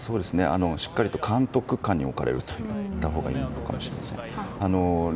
しっかりと監督下に置かれると言ったほうがいいのかもしれません。